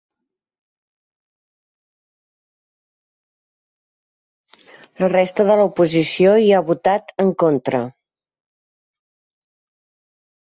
La resta de l’oposició hi ha votat en contra.